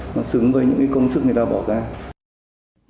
nó xứng với những cái công sức người ta bỏ ra